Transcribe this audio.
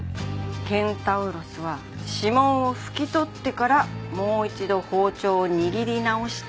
ケンタウロスは指紋を拭き取ってからもう一度包丁を握り直して弓江さんを殺害。